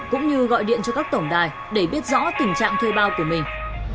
cũng như gọi điện cho các tổng đài để biết rõ tình trạng thuê bao của mình